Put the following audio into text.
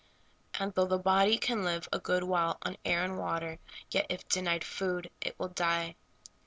And though the body can live a good while on air and water, yet, if denied food, it will die.